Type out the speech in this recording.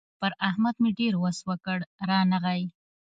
پر احمد مې ډېر وس وکړ؛ رانغی.